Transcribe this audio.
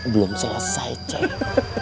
belum selesai ceng